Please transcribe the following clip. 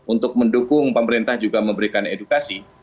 untuk mendukung pemerintah juga memberikan edukasi